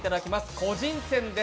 個人戦です。